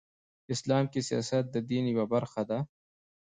اسلام کې سیاست د دین یوه برخه ده .